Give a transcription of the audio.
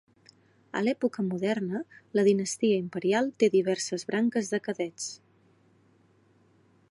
A l"època moderna, la dinastia imperial té diverses branques de cadets.